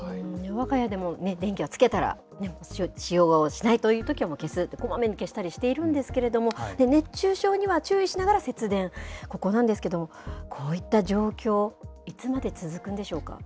わが家でも、電気をつけたら、使用しないというときは消すって、こまめに消したりしているんですけれども、熱中症には注意しながら節電、ここなんですけれども、こういった状況、いつまで続くんでしょう